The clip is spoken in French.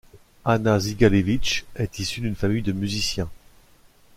Anna Sigalevitch est issue d'une famille de musiciens.